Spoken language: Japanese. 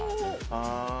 ああ。